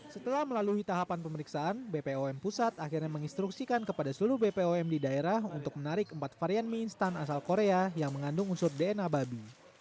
setelah melalui tahapan pemeriksaan bpom pusat akhirnya menginstruksikan kepada seluruh bpom di daerah untuk menarik empat varian mie instan asal korea yang mengandung unsur dna babi